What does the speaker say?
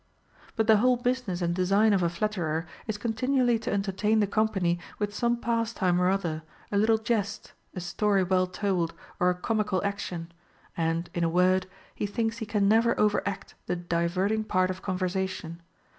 * But the whole business and design of a flatterer is con tinually to entertain the company with some pastime or other, a little jest, a story well told, or a comical action ; and, in a word, he thinks he can never overact the diverting part of conversation.